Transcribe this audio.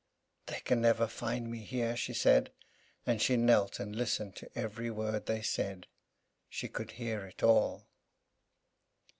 "They can never find me here," she said; and she knelt, and listened to every word they said. She could hear it all.